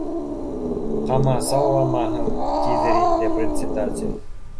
Ҡамасауламаһын, тиҙер инде председатель